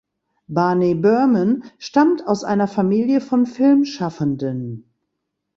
Barney Burman stammt aus einer Familie von Filmschaffenden.